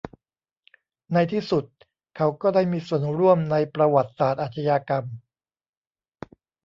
ในที่สุดเขาก็ได้มีส่วนร่วมในประวัติศาสตร์อาชญากรรม